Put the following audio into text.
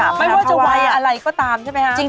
อ๋อไม่ว่าจะไว้อะไรก็ตามใช่ไหมฮะ